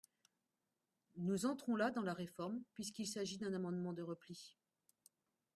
Nous entrons là dans la réforme, puisqu’il s’agit d’un amendement de repli.